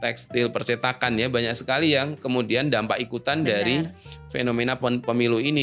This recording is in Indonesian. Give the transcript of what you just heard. tekstil percetakan ya banyak sekali yang kemudian dampak ikutan dari fenomena pemilu ini